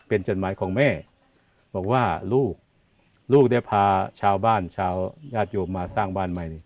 เป็นจดหมายของแม่บอกว่าลูกลูกเนี่ยพาชาวบ้านชาวญาติโยมมาสร้างบ้านใหม่